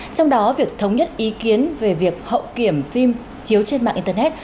trong đó việc thống nhất ý kiến về việc hậu kiểm phim chiếu trên mạng internet